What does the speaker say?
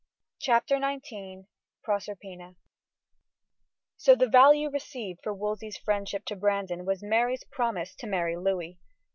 CHAPTER XIX Proserpina So the value received for Wolsey's friendship to Brandon was Mary's promise to marry Louis.